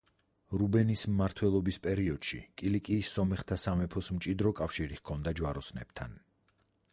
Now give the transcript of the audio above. რუბენის მმართველობის პერიოდში კილიკიის სომეხთა სამეფოს მჭიდრო კავშირი ჰქონდა ჯვაროსნებთან.